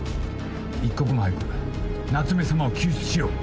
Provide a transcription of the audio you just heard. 一刻も早く夏目さまを救出しよう。